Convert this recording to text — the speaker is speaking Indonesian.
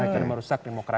karena merusak demokrasi